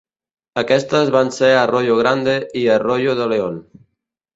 Aquestes van ser Arroyo Grande i Arroyo de León.